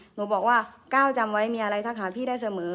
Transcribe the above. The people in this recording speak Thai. หนูบอกว่าก้าวจำไว้มีอะไรทักหาพี่ได้เสมอ